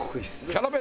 キャラ弁！